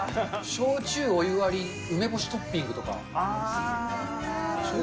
焼酎お湯割り梅干しトッピングとか。